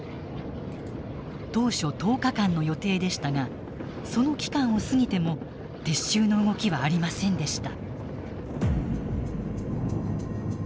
当初１０日間の予定でしたがその期間を過ぎても撤収の動きはありませんでした。